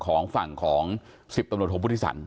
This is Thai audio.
ของฝั่งของ๑๐ตำรวจโทพุทธิสัน